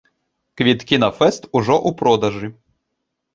Квіткі на фэст ужо ў продажы.